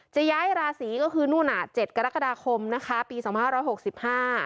จะย้ายราศีก็คือนู่นอ่ะเจ็ดกรกฎาคมนะคะปีสองพันห้าร้อยหกสิบห้า